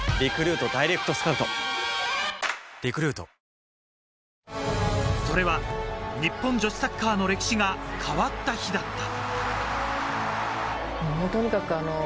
来年のワールドカップまそれは日本女子サッカーの歴史が変わった日だった。